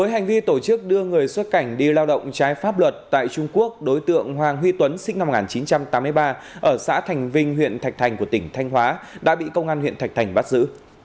hành vi tổ chức đưa người xuất cảnh đi lao động trái pháp luật tại trung quốc đối tượng hoàng huy tuấn sinh năm một nghìn chín trăm tám mươi ba ở xã thành vinh huyện thạch thành của tỉnh thanh hóa đã bị công an huyện thạch thành bắt giữ